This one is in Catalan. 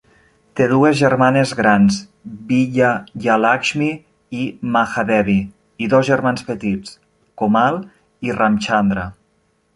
Té dues germanes grans, Vijayalakshmi i Mahadevi, i dos germans petits, Komal i Ramchandra.